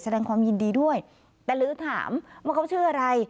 แสดงความยินดีด้วยแต่หรือถามว่าเขาชื่ออะไร